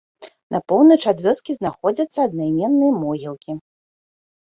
На поўнач ад вёскі знаходзяцца аднайменныя могілкі.